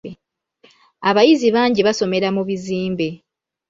Abayizi bangi basomera mu bizimbe.